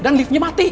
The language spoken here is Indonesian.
dan liftnya mati